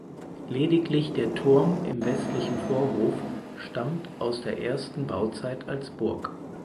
Lediglich der Turm im westlichen Vorhof stammt aus der ersten Bauzeit als Burg.